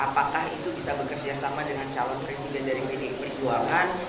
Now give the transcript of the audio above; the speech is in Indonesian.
apakah itu bisa bekerja sama dengan calon presiden dari pdi perjuangan